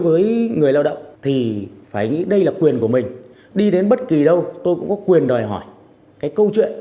với người lao động thì phải nghĩ đây là quyền của mình đi đến bất kỳ đâu tôi cũng có quyền đòi hỏi cái câu chuyện